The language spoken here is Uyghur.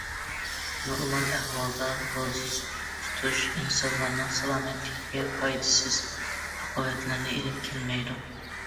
نورمال ئەھۋالدا، روزى تۇتۇش ئىنسانلارنىڭ سالامەتلىكىگە پايدىسىز ئاقىۋەتلەرنى ئېلىپ كەلمەيدۇ.